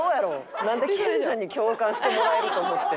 なんで研さんに共感してもらえると思ってん。